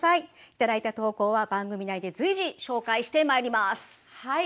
頂いた投稿は番組内で随時紹介してまいります。